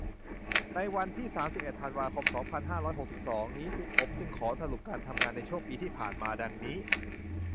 ในวันที่ สามสิบเอ็ด ธันวาคม สองพันห้าร้อยหกสิบสอง นี้ ผมจึงขอสรุปการทำงานในช่วงปีที่ผ่านมาดังนี้